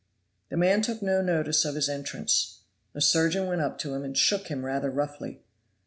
The man took no notice of his entrance. The surgeon went up to him and shook him rather roughly.